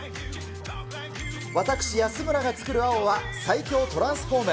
私、安村が作る青は、最強トランスフォーム！